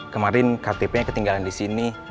kemarin ktp nya ketinggalan di sini